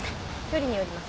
距離によります。